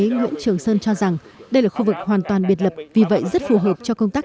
nguyễn trường sơn cho rằng đây là khu vực hoàn toàn biệt lập vì vậy rất phù hợp cho công tác